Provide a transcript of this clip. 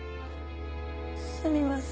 すみません